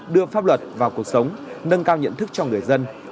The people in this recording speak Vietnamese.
đưa pháp luật vào cuộc sống nâng cao nhận thức cho người dân